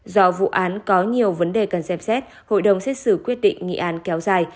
do vụ án có nhiều vấn đề cần xem xét hội đồng xét xử quyết định nghị án kéo dài